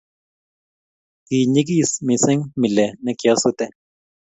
ki nyegis mising mile ne kiasute